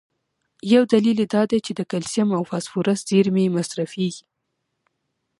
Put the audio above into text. یو دلیل یې دا دی چې د کلسیم او فاسفورس زیرمي یې مصرفېږي.